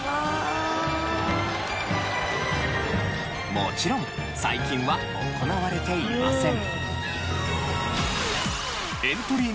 もちろん最近は行われていません。